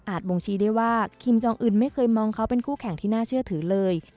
บ่งชี้ได้ว่าคิมจองอื่นไม่เคยมองเขาเป็นคู่แข่งที่น่าเชื่อถือเลย